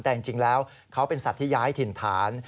แต่จริงแล้วเขาเป็นสัตว์ที่ย้ายถิ่นฐาน